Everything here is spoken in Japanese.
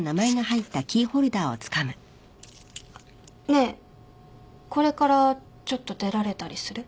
ねえこれからちょっと出られたりする？